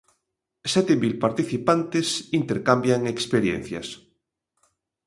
Sete mil participantes intercambian experiencias.